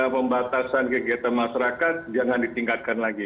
pembatasan kegiatan masyarakat jangan ditingkatkan lagi